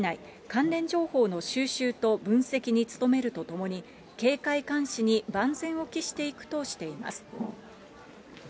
関連情報の収集と分析に努めるとともに、警戒監視に万全を期していくとしています。